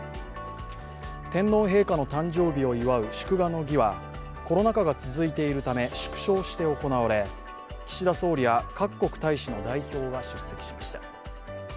天皇陛下の誕生日を祝う祝賀の儀はコロナ禍が続いているため縮小して行われ岸田総理や各国大使の代表が出席しました。